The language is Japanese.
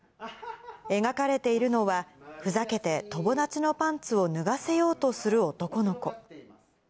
描かれているのは、ふざけて友達のパンツを脱がせようとする男の子。